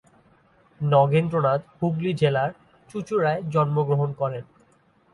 নগেন্দ্রনাথ হুগলী জেলার চুচুড়ায় জন্মগ্রহণ করেন।